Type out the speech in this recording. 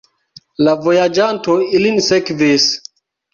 La vojaĝanto ilin sekvis.